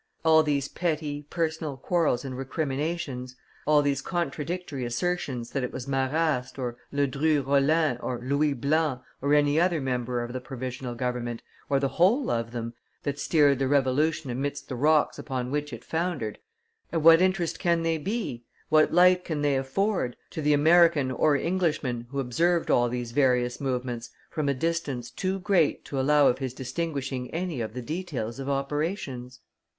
All these petty, personal quarrels and recriminations all these contradictory assertions that it was Marrast, or Ledru Rollin, or Louis Blanc, or any other member of the Provisional Government, or the whole of them, that steered the Revolution amidst the rocks upon which it foundered of what interest can they be, what light can they afford, to the American or Englishman who observed all these various movements from a distance too great to allow of his distinguishing any of the details of operations?